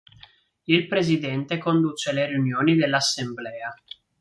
Il presidente conduce le riunioni dell'assemblea.